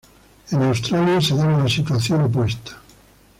En Australia se daba la situación opuesta.